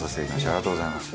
ありがとうございます。